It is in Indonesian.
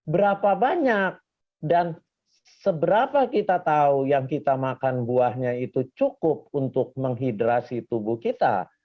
berapa banyak dan seberapa kita tahu yang kita makan buahnya itu cukup untuk menghidrasi tubuh kita